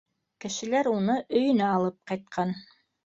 Кешеләр уны өйөнә алып ҡайтҡан.